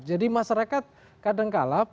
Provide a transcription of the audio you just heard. jadi masyarakat kadangkala